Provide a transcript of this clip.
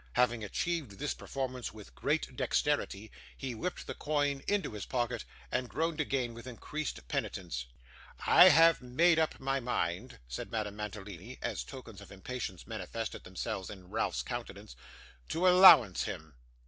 Having achieved this performance with great dexterity, he whipped the coin into his pocket, and groaned again with increased penitence. 'I have made up my mind,' said Madame Mantalini, as tokens of impatience manifested themselves in Ralph's countenance, 'to allowance him.